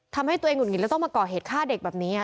ทำให้ตัวเองหุดหงิดแล้วต้องมาก่อเหตุฆ่าเด็กแบบนี้